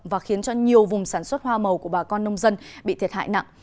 và khiến cho nhiều vùng sản xuất hoa màu của bà con nông dân bị thiệt hại nặng